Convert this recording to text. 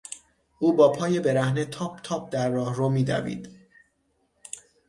او با پای برهنه تاپ تاپ در راهرو میدوید.